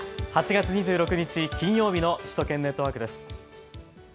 ８月２６日、金曜日の首都圏ネットワークです。